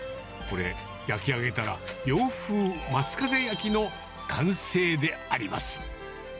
これ、焼き上げたら、洋風松風焼きの完成であります。